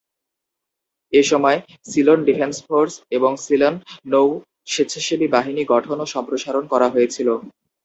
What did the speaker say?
এসময় Ceylon defence force এবং Ceylon নৌ স্বেচ্ছাসেবী বাহিনী গঠন ও সম্প্রসারণ করা হয়েছিলো।